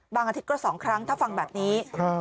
อาทิตย์ก็๒ครั้งถ้าฟังแบบนี้